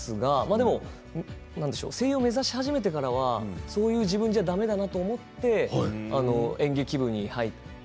でも何でしょうか声優を目指し始めてからはそういう自分ではだめだなと思って演劇部に入って